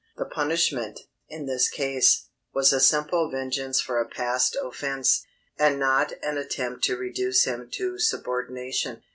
The punishment, in his case, was a simple vengeance for a past offence, and not an attempt to reduce him to subordination.